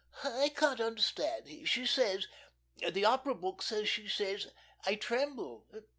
"I can't understand. She says the opera book says she says, 'I tremble.'